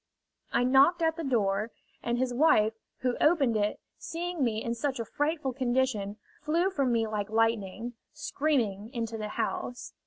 I knocked at the door, and his wife, who opened it, seeing me in such a frightful condition, flew from me like lightning, screaming, into the house.